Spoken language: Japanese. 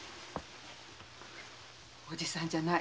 おじさんじゃない。